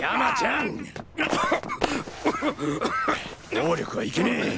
暴力はいけねえ。